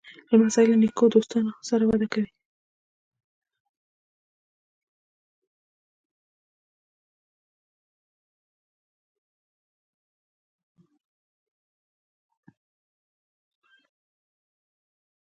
لمسی له نیکو دوستانو سره وده کوي.